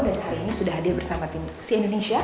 dan hari ini sudah hadir bersama si indonesia